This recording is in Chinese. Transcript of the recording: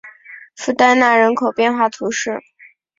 弗代纳人口变化图示